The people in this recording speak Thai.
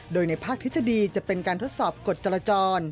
โดยในภาคทฤษฎีจะเป็นการทดสอบกฎจรจร